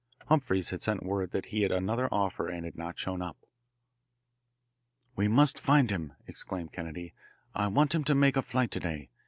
Humphreys had sent word that he had another offer and had not shown up. "We must find him," exclaimed Kennedy. "I want him to make a flight to day.